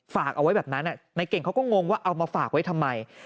ฝากเอาไว้แบบนั้นนายเก่งเขาก็งงว่าเอามาฝากไว้ทำไม